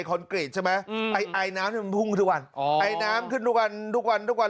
ในคอนเกรดใช่ไหมไอน้ำมันพุ่งทุกวันไอน้ำขึ้นทุกวันทุกวัน